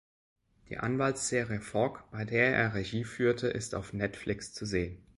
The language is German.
Die Anwaltsserie "Falk", bei der er Regie führte, ist auf "Netflix" zu sehen.